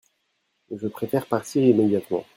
Je préfère partir immédiatement.